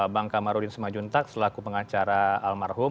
bang kamarudin semajuntak selaku pengacara almarhum